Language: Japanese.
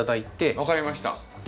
分かりました。